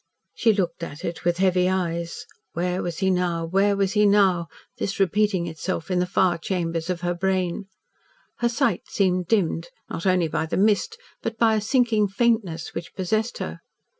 She looked at it with heavy eyes. (Where was he now where was he now? This repeating itself in the far chambers of her brain.) Her sight seemed dimmed, not only by the mist, but by a sinking faintness which possessed her.